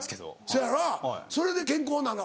せやなそれで健康なの？